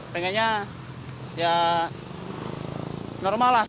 pengennya ya normal lah